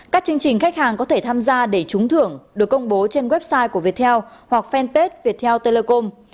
các chương trình khách hàng có thể tham gia để trúng thưởng được công bố trên website của viettel hoặc fanpage viettel telecom